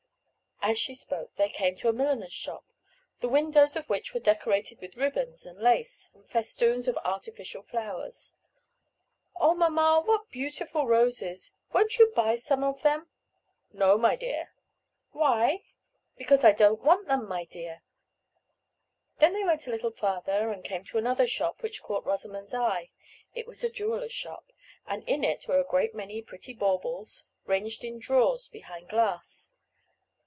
As she spoke they came to a milliner's shop, the windows of which were decorated with ribbons and lace, and festoons of artificial flowers. "Oh, mamma, what beautiful roses! Won't you buy some of them?" "No, my dear." "Why?" "Because I don't want them, my dear." They went a little farther, and came to another shop, which caught Rosamond's eye. It was a jeweler's shop, and in it were a great many pretty baubles, ranged in drawers behind glass.